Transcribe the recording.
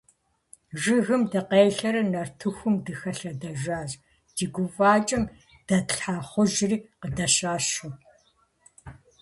Жыгым дыкъелъэри нартыхум дыхэлъэдэжащ, ди гуфӀакӀэм дэтлъхьа кхъужьри къыдэщэщу.